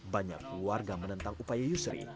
banyak keluarga menentang upaya yusri